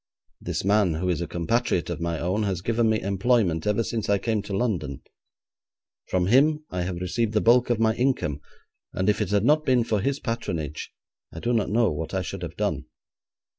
This man, who is a compatriot of my own, has given me employment ever since I came to London. From him I have received the bulk of my income, and if it had not been for his patronage, I do not know what I should have done.